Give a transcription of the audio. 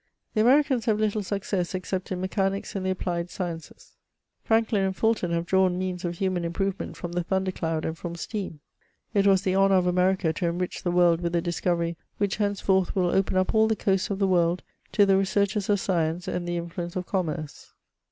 The Americans have little success except in mechanics and the applied sciences ; Franklin and Fulton have drawn means of human improvement from the thunder cloud and from steam. It was the honour of America to enrich the world with a discoveiy which henceforth will open up all the coasts of the world to the researches of science and the influence of commerce.